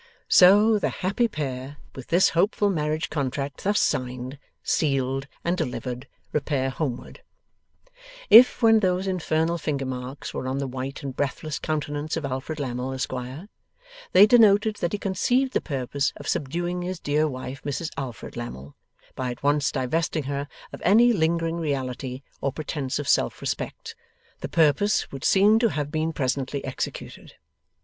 So, the happy pair, with this hopeful marriage contract thus signed, sealed, and delivered, repair homeward. If, when those infernal finger marks were on the white and breathless countenance of Alfred Lammle, Esquire, they denoted that he conceived the purpose of subduing his dear wife Mrs Alfred Lammle, by at once divesting her of any lingering reality or pretence of self respect, the purpose would seem to have been presently executed.